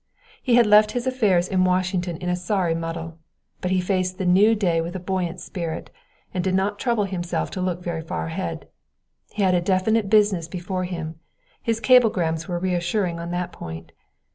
He had left his affairs in Washington in a sorry muddle; but he faced the new day with a buoyant spirit, and did not trouble himself to look very far ahead. He had a definite business before him; his cablegrams were reassuring on that point.